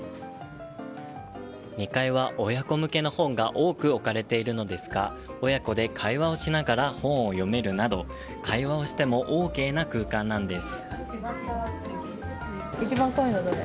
２階は親子向けの本が多く置かれているのですが親子で会話をしながら本を読めるなど会話をしてもＯＫな空間なんです。